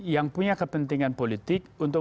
yang punya kepentingan politik untuk